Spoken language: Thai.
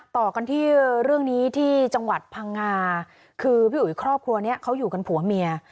ต่อกันที่เรื่องนี้ที่จังหวัดพังงาคือพี่อุ๋ยครอบครัวนี้เขาอยู่กันผัวเมีย